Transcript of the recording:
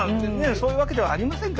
そういうわけではありませんからね。